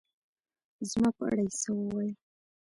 زما په اړه يې څه ووېل